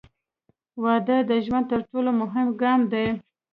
• واده د ژوند تر ټولو مهم ګام دی.